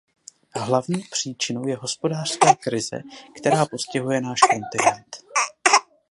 Hlavní příčinou je hospodářská krize, která postihuje náš kontinent.